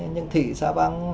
những thị xã vắng